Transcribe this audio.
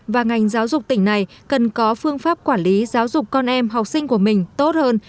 và ngành giáo dục tỉnh này cần có phương pháp quản lý giáo dục con em học sinh của mình tốt hơn